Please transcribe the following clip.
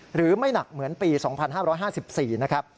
หรือไม่หนักเหมือนปี๒๕๕๔นะครับ